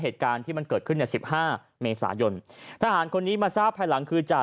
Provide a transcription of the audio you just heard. ที่มันเกิดขึ้นใน๑๕เมษายนทหารคนนี้มาทราบภายหลังคือจ่า